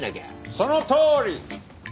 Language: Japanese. そのとおり！